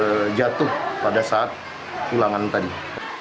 dan juga untuk membuatkan kembali pelajaran yang diberikan